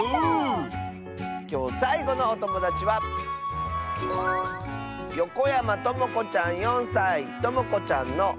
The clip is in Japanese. きょうさいごのおともだちはともこちゃんの。